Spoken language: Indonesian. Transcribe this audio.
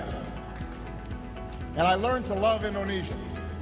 dan saya belajar mencintai indonesia